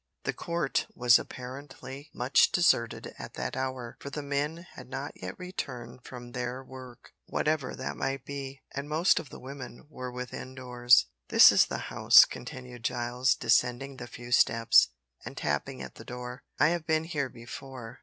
The court was apparently much deserted at that hour, for the men had not yet returned from their work whatever that might be and most of the women were within doors. "This is the house," continued Giles, descending the few steps, and tapping at the door; "I have been here before.